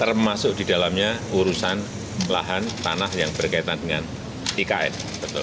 termasuk di dalamnya urusan lahan tanah yang berkaitan dengan ikn